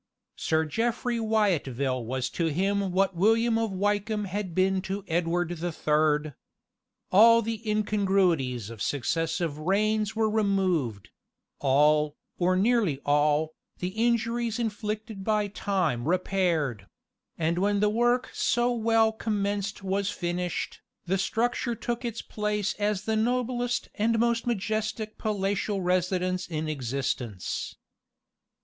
Sir Jeffry Wyatville was to him what William of Wykeham had been to Edward the Third. All the incongruities of successive reigns were removed: all, or nearly all, the injuries inflicted by time repaired; and when the work so well commenced was finished, the structure took its place as the noblest and most majestic palatial residence in existence.